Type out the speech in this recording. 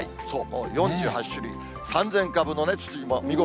４８種類３０００株のツツジも見事。